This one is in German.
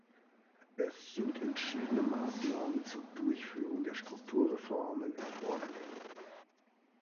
Es sind entschiedene Maßnahmen zur Durchführung der Strukturreformen erforderlich.